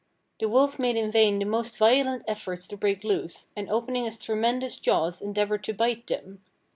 The wolf made in vain the most violent efforts to break loose, and opening his tremendous jaws endeavoured to bite them.